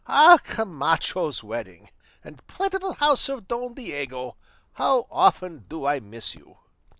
Ah, Camacho's wedding, and plentiful house of Don Diego, how often do I miss you!"